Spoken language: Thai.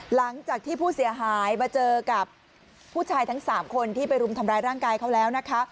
หลังจากที่ผู้เสียหายมาเจอกับผู้ชายทั้ง๓คนที่ไปรุมทำร้ายร่างกายเขาแล้วนะคะ